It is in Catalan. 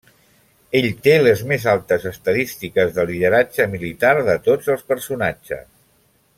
Ell té les més altes estadístiques de lideratge militar de tots els personatges.